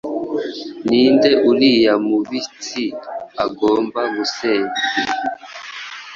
Ninde uriya mubitsi agomba gusenya